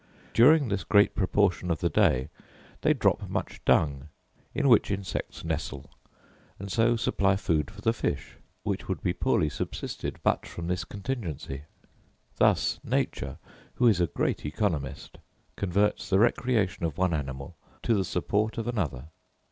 During this great proportion of the day they drop much dung, in which insects nestle; and so supply food for the fish, which would be poorly subsisted but from this contingency. Thus nature, who is a great economist, converts the recreation of one animal to the support of another!